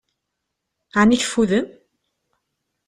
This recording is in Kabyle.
Ɛni tfudem?